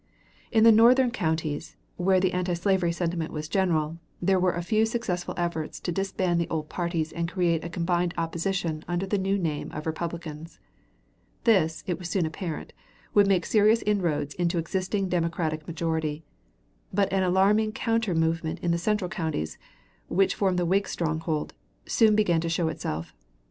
In the northern counties, where the antislavery sentiment was general, there were a few successful efforts to disband the old parties and create a combined opposition under the new name of Republicans. This, it was soon apparent, would make serious inroads on the existing Democratic majority. But an alarming counter movement in the central counties, which formed the Whig stronghold, soon began to show itself.